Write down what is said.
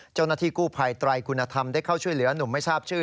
เจ้าหน้าที่กู้ภัยไตรคุณธรรมได้เข้าช่วยเหลือหนุ่มไม่ทราบชื่อ